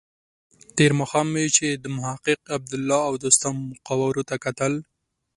تېر ماښام مې چې د محقق، عبدالله او دوستم قوارو ته کتل.